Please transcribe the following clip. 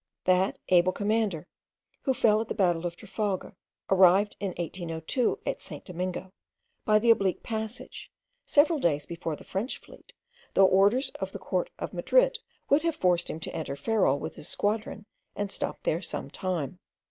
That able commander, who fell at the battle of Trafalgar, arrived in 1802 at St. Domingo, by the oblique passage, several days before the French fleet, though orders of the court of Madrid would have forced him to enter Ferrol with his squadron, and stop there some time.